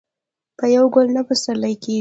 په یو ګل نه پسرلې کیږي.